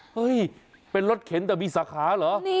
เฮ้ยเป็นรถเข็นแต่มีสาขาเหรอ